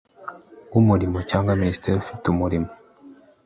w umurimo cyangwa minisitiri ufite umurimo